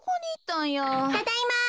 ただいま。